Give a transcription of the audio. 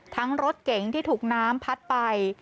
รถเก๋งที่ถูกน้ำพัดไป